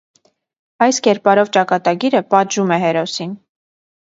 Այս կերպարով ճակատագիրը պատժում է հերոսին։